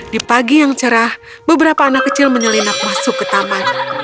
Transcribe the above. di pagi yang cerah beberapa anak kecil menyelinap masuk ke taman